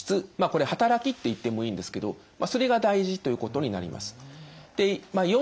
これ働きって言ってもいいんですけどそれが大事ということになります。